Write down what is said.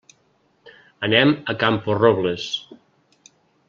Anem a Camporrobles.